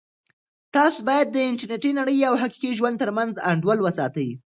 تاسو باید د انټرنیټي نړۍ او حقیقي ژوند ترمنځ انډول وساتئ.